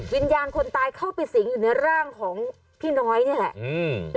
วิญญาณคนตายเข้าไปสิงอยู่ในร่างของพี่น้อยนี่แหละ